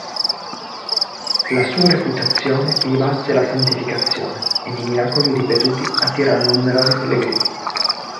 La sua reputazione gli valse la santificazione, ed i miracoli ripetuti attirarono numerosi pellegrini.